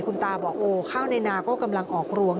คุณตาบอกโอ้ข้าวในนาก็กำลังออกรวง